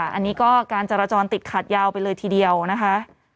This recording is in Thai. อันนี้ก็การจราจรติดขัดยาวไปเลยทีเดียวนะคะ